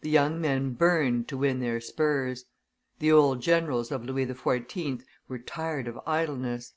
The young men burned to win their spurs; the old generals of Louis XIV. were tired of idleness.